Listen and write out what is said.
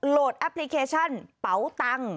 โหลดแอปพลิเคชันเบาตังค์